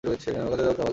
কাজে যাও তাহলে।